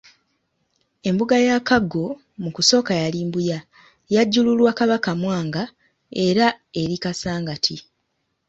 Embuga ya Kaggo mu kusooka yali Mbuya, Yajjululwa Kabaka Mwanga era eri Kasangati.